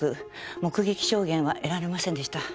目撃証言は得られませんでした。